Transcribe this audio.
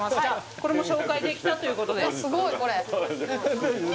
これも紹介できたということでいや